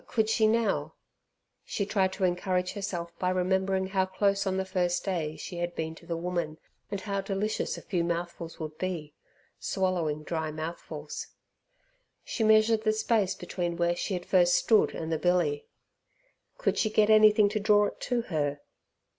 Could she now? She tried to encourage herself by remembering how close on the first day she had been to the woman, and how delicious a few mouthfuls would be swallowing dry mouthfuls. She measured the space between where she had first stood and the billy. Could she get anything to draw it to her?